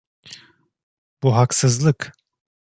Bu haksızlık.